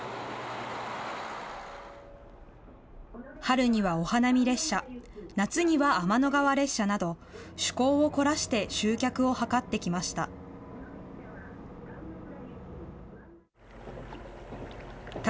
春にはお花見列車、夏には天の川列車など、趣向を凝らして集客を図ってきました。